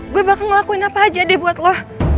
gue bakal ngelakuin apa aja deh buat lo